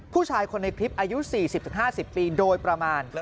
ผู้ชายคนในคลิปอายุ๔๐๕๐ปีโดยประมาณ